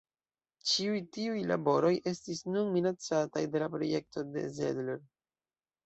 Ĉiuj tiuj laboroj estis nun minacataj de la projekto de Zedler.